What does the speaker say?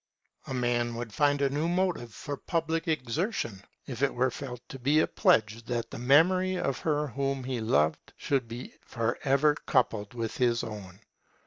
A man would find a new motive for public exertion, if it were felt to be a pledge that the memory of her whom he loved should be for ever coupled with his own.